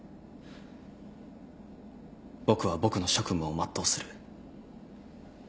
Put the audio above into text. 僕は僕の職務を全うする。